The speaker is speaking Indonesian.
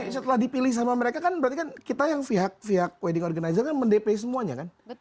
setelah dipilih sama mereka kan berarti kan kita yang pihak wedding organizer kan men dp semuanya kan